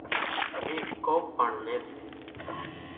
ايڪ ڪوپ پڻ لئي سي۔